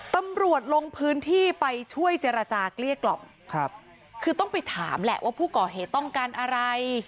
ตำรวจลงพื้นที่ไปช่วยเจรจาเกลี้ยกล่อมครับคือต้องไปถามแหละว่าผู้ก่อเหตุต้องการอะไร